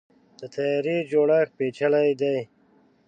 د طیارې جوړښت پیچلی دی.